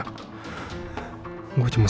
tidak ada yang bisa dipercaya